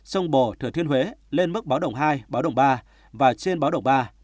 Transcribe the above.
sông bồ thừa thiên huế lên mức báo động hai báo động ba và trên báo động ba